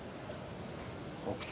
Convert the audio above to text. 北勝